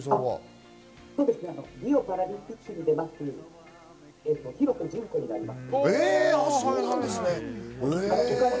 リオパラリンピックに出ました廣瀬順子になります。